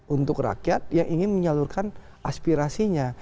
untuk rakyat yang ingin menyalurkan aspirasinya